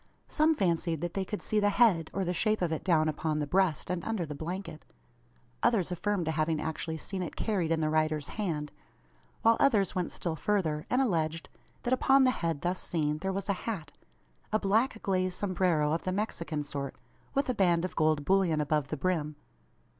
Some fancied that they could see the head, or the shape of it, down upon the breast, and under the blanket; others affirmed to having actually seen it carried in the rider's hand; while others went still further, and alleged: that upon the head thus seen there was a hat a black glaze sombrero of the Mexican sort, with a band of gold bullion above the brim!